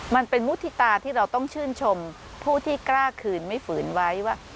มันเป็นมุฒิตาที่เราต้องชื่นชมผู้ที่กล้าคืนไม่ฝืนไว้ว่า